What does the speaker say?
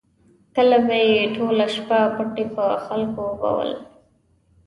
کله به یې ټوله شپه پټي په خلکو اوبول.